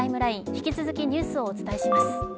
引き続きニュースをお伝えします。